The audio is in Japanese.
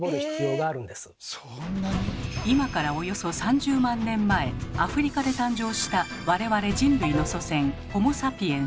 今からおよそ３０万年前アフリカで誕生した我々人類の祖先ホモ・サピエンス。